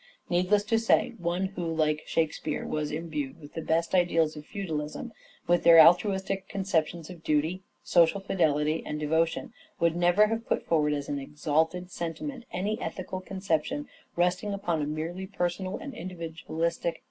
Needless to say, one who like " Shake speare " was imbued with the best ideals of feudalism, with their altruistic conceptions of duty, social fidelity and devotion would never have put forward as an exalted sentiment, any ethical conception resting upon a merely personal and individualist sanction.